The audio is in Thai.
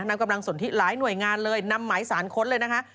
นำกำลังสนทิหลายหน่วยงานเลยนำหมายสารค้นเลยนะคะ